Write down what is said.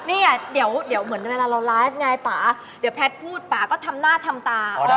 เนี่ยเดี๋ยวเหมือนเวลาเราไลฟ์ไงป่าเดี๋ยวแพทย์พูดป่าก็ทำหน้าทำตา